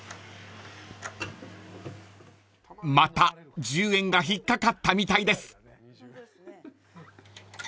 ［また１０円が引っ掛かったみたいです］